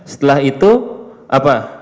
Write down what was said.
setelah itu apa